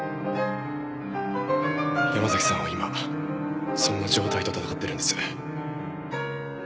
山崎さんは今そんな状態と闘ってるんです。